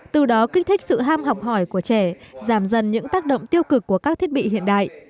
từ đó kích thích sự ham học hỏi của trẻ giảm dần những tác động tiêu cực của các thiết bị hiện đại